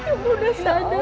ibu sudah sadar